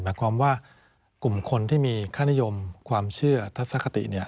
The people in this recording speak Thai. หมายความว่ากลุ่มคนที่มีค่านิยมความเชื่อทัศนคติ